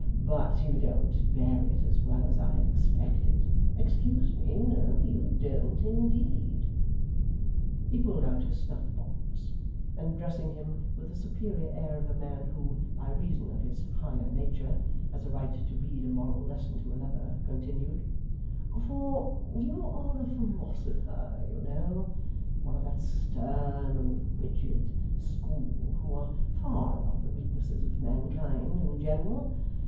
But you don't bear it as well as I had expected excuse me no, you don't indeed.' He pulled out his snuff box, and addressing him with the superior air of a man who, by reason of his higher nature, has a right to read a moral lesson to another, continued: 'For you are a philosopher, you know one of that stern and rigid school who are far above the weaknesses of mankind in general.